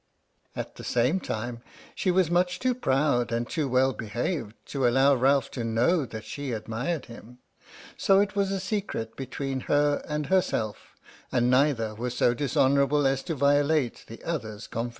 At the same time, she was much too proud and too well behaved to allow Ralph to know that she admired him. So it was a secret between her and herself, and neither was so dishonourable as to violate the other's confidence.